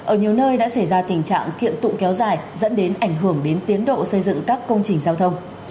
ở nhiều nơi đã xảy ra tình trạng kiện tụng kéo dài dẫn đến ảnh hưởng đến tiến độ xây dựng các công trình giao thông